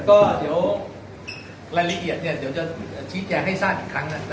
ก็เดี๋ยวยินเรียกเนี้ยเดี๋ยวจะใช้แชร์ให้ชาติอีกครั้งน่ะ